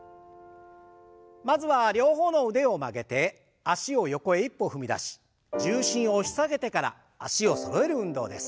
まずは両方の腕を曲げて脚を横へ一歩踏み出し重心を押し下げてから脚をそろえる運動です。